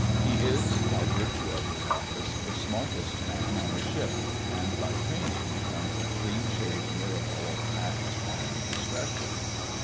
He is, by virtue of his office, the smartest man in the ship, and by training becomes a clean shaved miracle of tact and discretion.